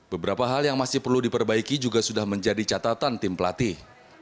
beberapa hal yang masih perlu diperbaiki juga sudah menjadi catatan tim pelatih